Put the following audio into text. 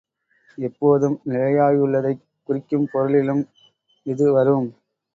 எப்போதும் நிலையாயுள்ளதைக் குறிக்கும் பொருளிலும் இது வரும்.